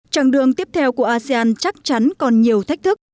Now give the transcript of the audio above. trạng đường tiếp theo của asean chắc chắn còn nhiều thách thức